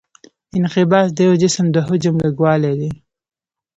انقباض د یو جسم د حجم لږوالی دی.